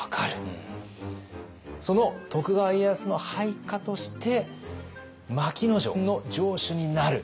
その徳川家康の配下として牧野城の城主になる。